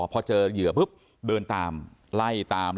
พอเจอเหยื่อปุ๊บเดินตามไล่ตาม